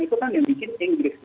itu kan yang bikin inggris